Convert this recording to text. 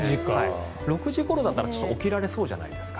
６時ごろなら起きられそうじゃないですか。